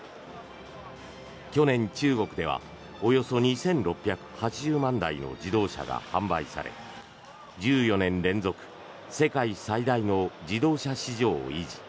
去年、中国ではおよそ２６８０万台の自動車が販売され１４年連続世界最大の自動車市場を維持。